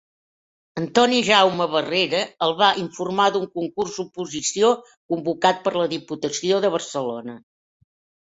Antoni Jaume Barrera, el va informar d'un concurs-oposició convocat per la Diputació de Barcelona.